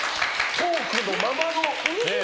トークのままの。